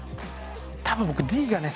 多分僕Ｄがね